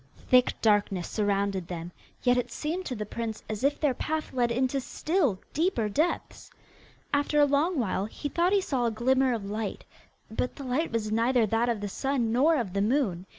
Thick darkness surrounded them, yet it seemed to the prince as if their path led into still deeper depths. After a long while he thought he saw a glimmer of light, but the light was neither that of the sun nor of the moon.